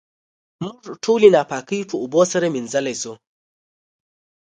موږ ټولې ناپاکۍ په اوبو سره وېنځلی شو.